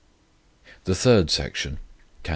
The third section (Cant.